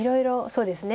そうですね